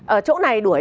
ở chỗ này đuổi